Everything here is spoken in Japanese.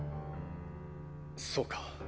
そうか。